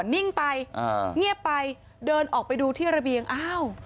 นิ่งไปอ่าเงียบไปเดินออกไปดูที่ระเบียงอ้าว